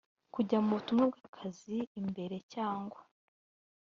kujya mu butumwa bw akazi imbere cyangwa